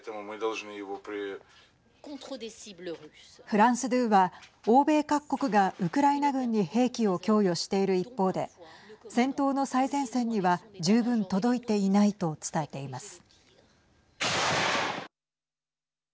フランス２は欧米各国がウクライナ軍に兵器を供与している一方で戦闘の最前線には十分届いていないと伝えています。